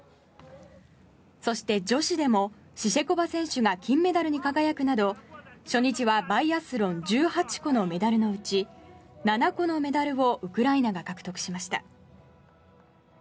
そして、女子でもシシュコバ選手が金メダルに輝くなど初日はバイアスロン１８個のメダルのうち７個のメダルをウクライナが獲得しました。